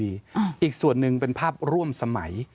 อีกส่วนหนึ่งเป็นภาพร่วมสมัย